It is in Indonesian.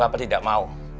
bapak tidak mau